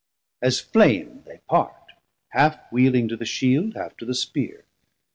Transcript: As flame they part Half wheeling to the Shield, half to the Spear.